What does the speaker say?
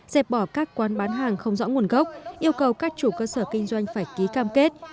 dẹp bỏ các quán bán hàng không rõ nguồn gốc yêu cầu các chủ cơ sở kinh doanh phải ký cam kết